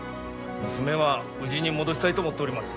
娘はうぢに戻したいと思っております。